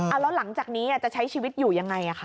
แล้วหลังจากนี้จะใช้ชีวิตอยู่ยังไงคะ